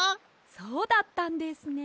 そうだったんですね。